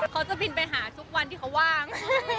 เขาจะบินไปหาทุกวันที่เขาว่าง